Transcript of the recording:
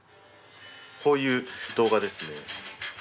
こういう動画ですね。